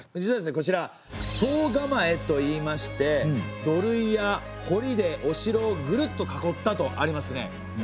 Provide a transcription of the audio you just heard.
こちら惣構といいまして土塁やほりでお城をぐるっと囲ったとありますね。